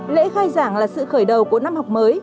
lễ khai giảng là sự khởi đầu của năm học mới